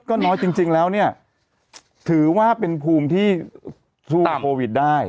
ก็น้อยจริงแล้วเนี่ยถือว่าเป็นภูมิที่สู้โควิดได้